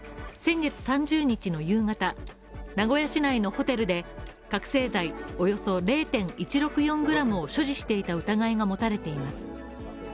名古屋市内のホテルで、覚醒剤およそ０．１６４ｇを所持していた疑いが持たれています。